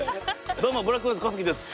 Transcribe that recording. どうもブラックマヨネーズ小杉です。